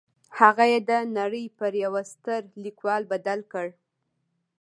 هغه يې د نړۍ پر يوه ستر ليکوال بدل کړ.